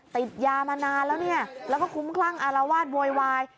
ติดยามานานแล้วเนี่ยแล้วก็คุ้มคลั่งอารวาสโวยวาย